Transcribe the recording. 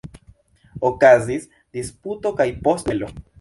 Okazis disputo kaj poste duelo.